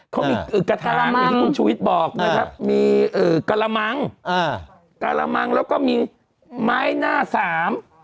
เขามีกระถางอย่างที่คุณชุวิตบอกนะครับมีกระละมังแล้วก็มีไม้หน้าสาม